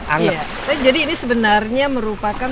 angin jadi ini sebenarnya merupakan